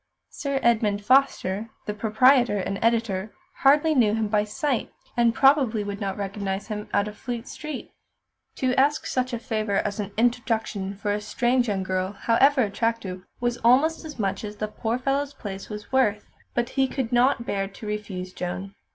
Sir Edmund Foster, the proprietor and editor, hardly knew him by sight, and probably would not recognise him out of Fleet Street. To ask such a favour as an introduction for a strange young girl, however attractive, was almost as much as the poor fellow's place was worth, but he could not bear to refuse Joan.